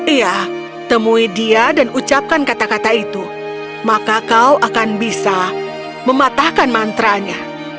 iya temui dia dan ucapkan kata kata itu maka kau akan bisa mematahkan mantranya